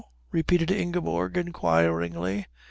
repeated Ingeborg inquiringly.